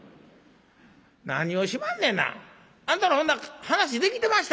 「何をしまんねんな。あんたらほんな話できてましたんかいな。